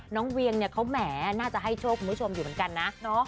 เวียงเนี่ยเขาแหมน่าจะให้โชคคุณผู้ชมอยู่เหมือนกันนะ